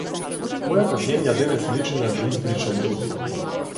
Мојата земја денес личи на неизбричен рудник.